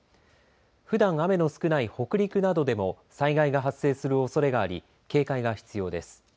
ふだん雨の少ない北陸などでも災害が発生するおそれがあり警戒が必要です。